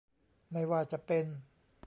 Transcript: ไม่ว่าจะเป็น